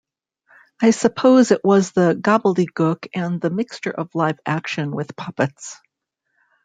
I suppose it was the gobbledegook and the mixture of live action with puppets.